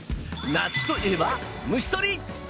夏といえば虫とり！